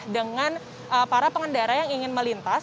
dengan para pengendara yang ingin melintas